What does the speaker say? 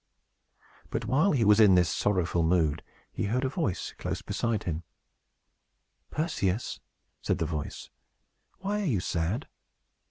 But, while he was in this sorrowful mood, he heard a voice close beside him. "Perseus," said the voice, "why are you sad?"